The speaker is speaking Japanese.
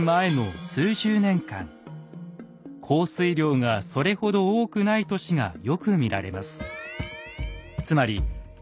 降水量がそれほど多くない年がよく見られます。